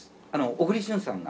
小栗旬さんが。